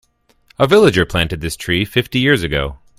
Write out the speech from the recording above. A villager planted this tree fifty years ago.